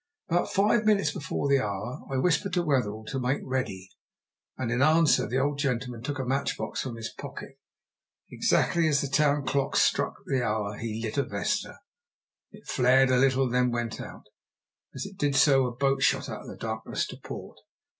About five minutes before the hour I whispered to Wetherell to make ready, and in answer the old gentleman took a matchbox from his pocket. Exactly as the town clocks struck the hour he lit a vesta; it flared a little and then went out. As it did so a boat shot out of the darkness to port.